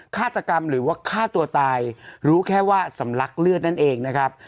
ฆาตกรรมหรือว่าฆ่าตัวตายรู้แค่ว่าสำลักเลือดนั่นเองนะครับ